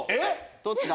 どっちだ？